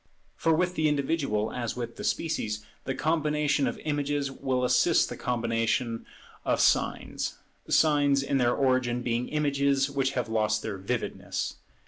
For with the individual, as with the species, the combination of images will assist the combination of signs: signs in their origin being images which have lost their vividness.